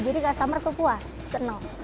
jadi customer tuh puas senang